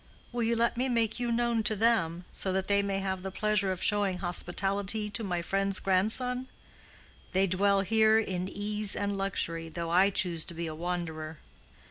Will you let me make you known to them, so that they may have the pleasure of showing hospitality to my friend's grandson? They dwell here in ease and luxury, though I choose to be a wanderer."